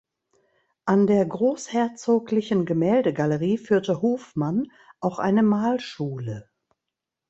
An der Großherzoglichen Gemäldegalerie führte Hofmann auch eine Malschule.